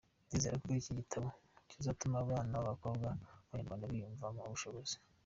Ndizera ko iki gitabo kizatuma abana b’abakobwa b’Abanyarwanda biyumvamo ubushobozi.